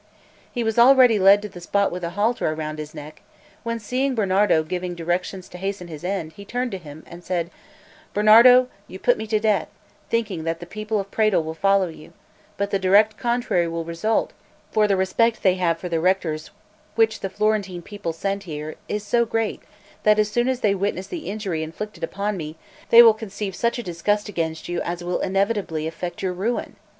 He was already led to the spot with a halter around his neck, when seeing Bernardo giving directions to hasten his end, he turned to him, and said: "Bernardo, you put me to death, thinking that the people of Prato will follow you; but the direct contrary will result; for the respect they have for the rectors which the Florentine people send here is so great, that as soon as they witness the injury inflicted upon me, they will conceive such a disgust against you as will inevitably effect your ruin.